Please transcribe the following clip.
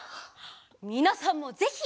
みなさんもぜひ！